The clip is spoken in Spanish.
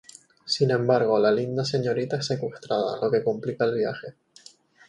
Sin embargo, la linda señorita es secuestrada, lo que complica el viaje.